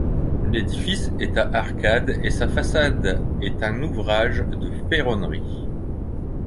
L'édifice est à arcades et sa façade est un ouvrage de ferronnerie.